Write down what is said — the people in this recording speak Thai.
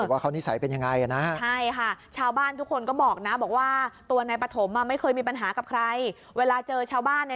ว่าเขานิสัยเป็นอย่างไรนะ